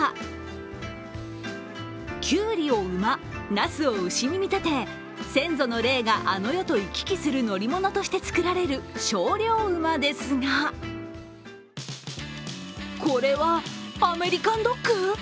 なすを牛に見立て、先祖の霊があの世と行き来する乗り物として作られる精霊馬ですがこれは、アメリカドッグ！？